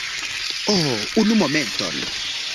Oh, unu momenton!